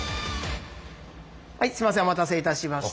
はいすいませんお待たせいたしました。